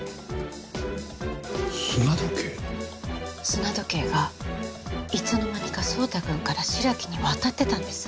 砂時計がいつの間にか蒼太くんから白木に渡ってたんです。